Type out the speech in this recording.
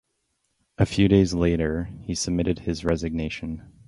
A few days later, he submitted his resignation.